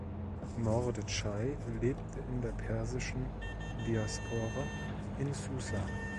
Mordechai lebte in der persischen Diaspora in Susa.